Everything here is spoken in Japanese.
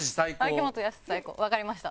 「秋元康最高。」わかりました。